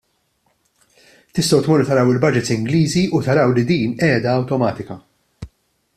Tistgħu tmorru taraw il-budgets Ingliżi u taraw li din qiegħda awtomatika.